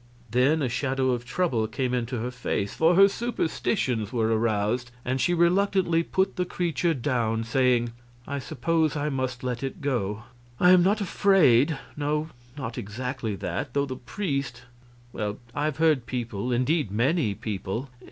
Then a shadow of trouble came into her face, for her superstitions were aroused, and she reluctantly put the creature down, saying: "I suppose I must let it go; I am not afraid no, not exactly that, though the priest well, I've heard people indeed, many people...